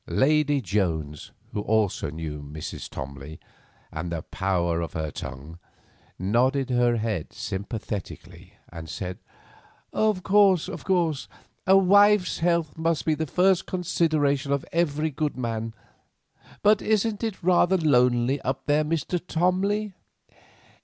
Lady Jones, who also knew Mrs. Tomley and the power of her tongue, nodded her head sympathetically and said: "Of course, of course. A wife's health must be the first consideration of every good man. But isn't it rather lonely up there, Mr. Tomley?"